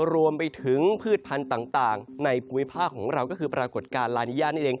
รวมไปถึงพืชพันธุ์ต่างในภูมิภาคของเราก็คือปรากฏการณ์ลานิยานั่นเอง